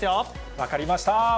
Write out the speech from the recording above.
分かりました。